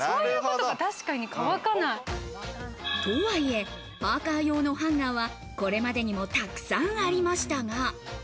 とはいえ、パーカー用のハンガーはこれまでにも、たくさんありましたが。